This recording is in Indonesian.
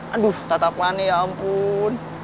aduh tatap wani ya ampun